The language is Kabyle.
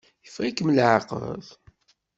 Yeffeɣ-ikem leɛqel?